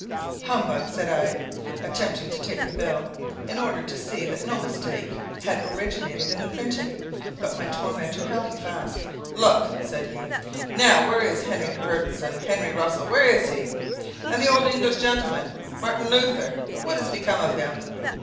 "Humbug!" said I, attempting to take the bill, in order to see that no mistake had originated in the printing, but my tormentor held it fast. "Look," said he; "Now where is Henry Hertz; and Henry Russell, where is he? And the Old English Gentleman, Martin Luther, what has become of him?